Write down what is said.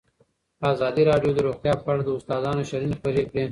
ازادي راډیو د روغتیا په اړه د استادانو شننې خپرې کړي.